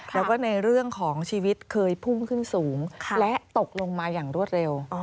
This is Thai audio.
แล้วก็ในเรื่องของชีวิตเคยพุ่งขึ้นสูงและตกลงมาอย่างรวดเร็ว